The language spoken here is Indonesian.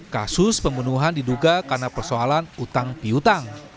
kasus pembunuhan diduga karena persoalan utang piutang